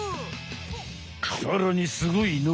さらにすごいのが。